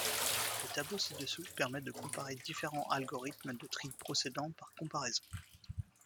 Le tableau ci-dessous permet de comparer différents algorithmes de tri procédant par comparaisons.